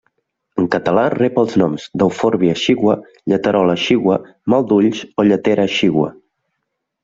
En català rep els noms d'eufòrbia exigua, lleterola exigua, mal d'ulls o lletera exigua.